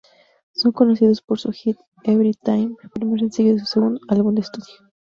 Son conocidos por su hit "Everytime", primer sencillo de su segundo álbum de estudio.